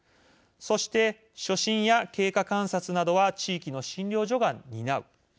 そして初診や経過観察などは地域の診療所が担う。